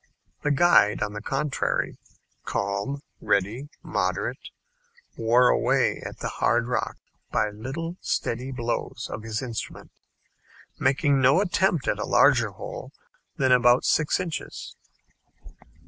The guide, on the contrary, calm, ready, moderate, wore away the hard rock by little steady blows of his instrument, making no attempt at a larger hole than about six inches.